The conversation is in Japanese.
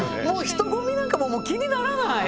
人混みなんかもう気にならない。